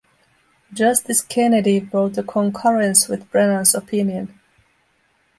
Justice Kennedy wrote a concurrence with Brennan's opinion.